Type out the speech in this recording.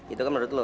itu kan menurut lo